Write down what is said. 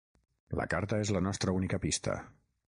La carta és la nostra única pista.